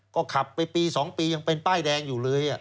ก็ขับไปปี๒ปียังเป็นป้ายแดงอยู่เลย